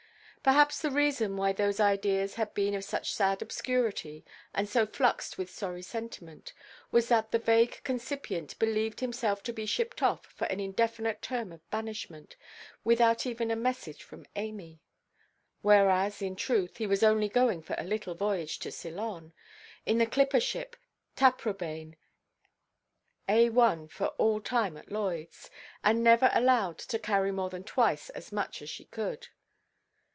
Perhaps the reason why those ideas had been of such sad obscurity, and so fluxed with sorry sentiment, was that the vague concipient believed himself to be shipped off for an indefinite term of banishment, without even a message from Amy. Whereas, in truth, he was only going for a little voyage to Ceylon, in the clipper ship Taprobane, A 1 for all time at Lloydʼs, and never allowed to carry more than twice as much as she could.